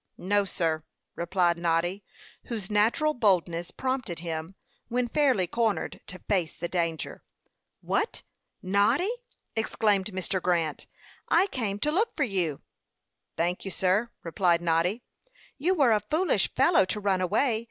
"No, sir," replied Noddy, whose natural boldness prompted him, when fairly cornered, to face the danger. "What! Noddy?" exclaimed Mr. Grant. "I came to look for you." "Thank you, sir," replied Noddy. "You were a foolish fellow to run away.